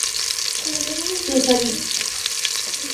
Sus habilidades oratorias le sirvieron para salir airoso del paso.